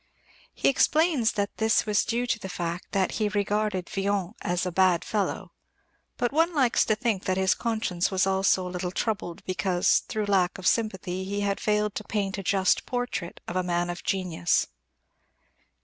He explains that this was due to the fact that he "regarded Villon as a bad fellow," but one likes to think that his conscience was also a little troubled because through lack of sympathy he had failed to paint a just portrait of a man of genius.